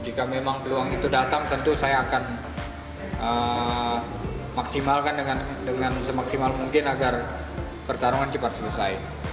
jika memang peluang itu datang tentu saya akan maksimalkan dengan semaksimal mungkin agar pertarungan cepat selesai